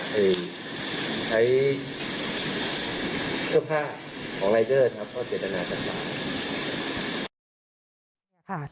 เขาเก็บตนาจัดต่าง